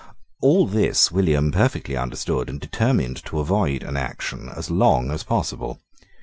All this William perfectly understood, and determined to avoid an action as long as possible.